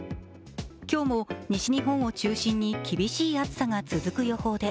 今日も西日本を中心に厳しい暑さが続く予報で